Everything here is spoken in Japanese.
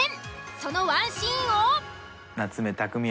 そのワンシーンを。